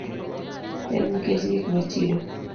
En nikech gik ma chido.